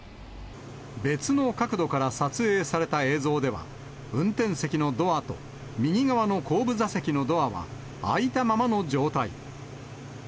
別の角度から撮影された映像では、運転席のドアと、右側の後部座席のドアは開いたままの状態。